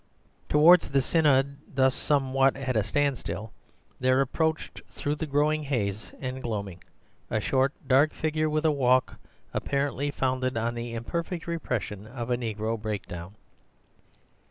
Towards the synod thus somewhat at a standstill there approached through the growing haze and gloaming a short dark figure with a walk apparently founded on the imperfect repression of a negro breakdown.